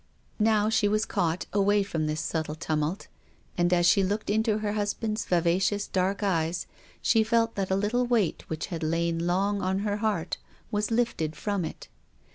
Now she was caught away from this subtle tumult, and as she looked into her husband's vivacious dark eyes she felt that a little weight which had lain loner on her heart was lifted from it.